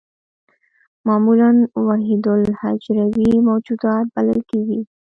معمولاً وحیدالحجروي موجودات بلل کېږي.